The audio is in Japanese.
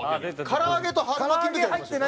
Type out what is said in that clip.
唐揚げと春巻きの時ありますよ。